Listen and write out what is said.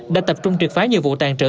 đã tập trung triệt phái nhiều vụ tàn trở